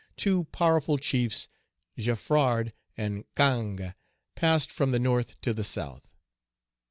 Two powerful chiefs, Geffrard and Cangé, passed from the North to the South.